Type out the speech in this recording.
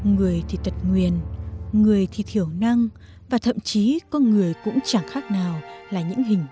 người thì tật nguyền người thì thiểu năng và thậm chí con người cũng chẳng khác nào là những hình thức